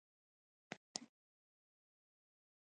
شاګردانو به یو بل ته سره وکتل.